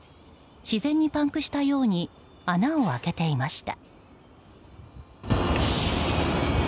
自然にパンクしたように穴を開けていました。